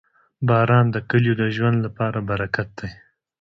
• باران د کلیو د ژوند لپاره برکت دی.